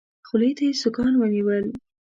خولې ته يې سوکان ونيول.